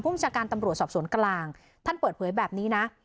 ชาการตำรวจสอบสวนกลางท่านเปิดเผยแบบนี้นะ